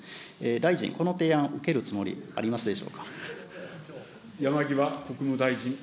大臣、この提案を受けるおつもりはありますでしょうか。